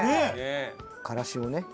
からしをね。